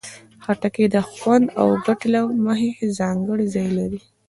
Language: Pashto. خټکی د خوند او ګټې له مخې ځانګړی ځای لري.